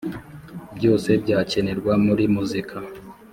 byose byakenerwa muri muzika.